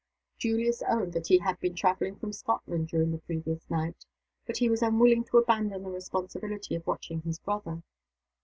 Julius owned that he had been traveling from Scotland during the previous night. But he was unwilling to abandon the responsibility of watching his brother.